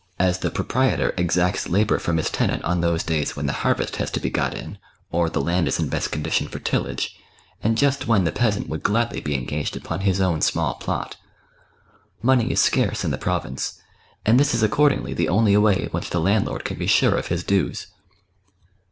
as the proprietor exacts labour from his tenant on those days when the harvest has to be got in, or the land is in best condition for tillage, and just when the peasant would gladly be engaged upon his own small plot. Money is scarce in the province, and this is accordingly the only way in which the landlord can be sure of his dues.